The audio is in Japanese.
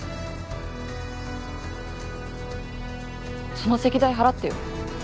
その席代払ってよ